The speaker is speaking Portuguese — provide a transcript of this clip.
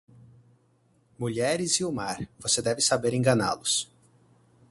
Mulheres e o mar, você deve saber enganá-los.